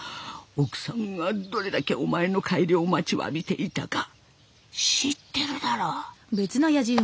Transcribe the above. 奥さんがどれだけお前の帰りを待ちわびていたか知ってるだろう。